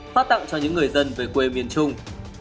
phát tặng cho những người dân về quê miền trung